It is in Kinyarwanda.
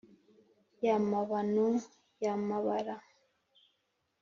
ya mabano ya mabara,